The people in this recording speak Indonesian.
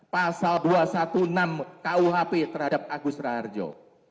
pasal dua ratus enam belas kuhp terhadap agus raharjo